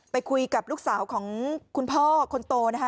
ไปคุยกับลูกสาวของคุณพ่อคนโตนะคะ